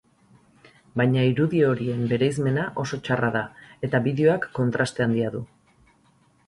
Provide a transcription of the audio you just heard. Baina irudi horien bereizmena oso txarra da, eta bideoak kontraste handia du.